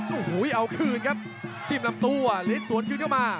โอ้โหเอาคืนครับจีบลำตัวเล็กสวนคืนเข้ามา